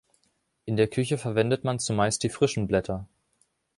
In der Küche verwendet man zumeist die frischen Blätter.